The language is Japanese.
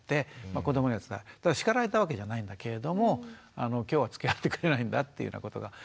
だから叱られたわけじゃないんだけれども今日はつきあってくれないんだっていうようなことが。